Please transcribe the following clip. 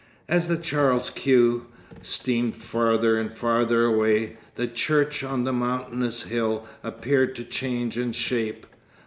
As the Charles Quex steamed farther and farther away, the church on the mountainous hill appeared to change in shape.